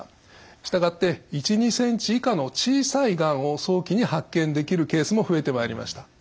従って１２ｃｍ以下の小さいがんを早期に発見できるケースも増えてまいりました。